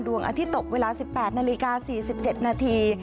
ดวงอาทิตย์ตกเวลา๑๘นาฬิกา๔๗นาที